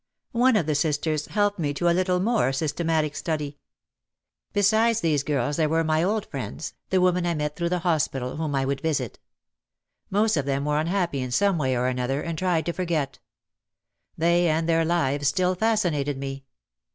One of the sisters helped me to a little more systematic study. Besides these girls there were my old friends, the women I met through the hospital, whom I would visit. Most of them were unhappy in some way or another, and tried to forget. They and their lives still fascinated me.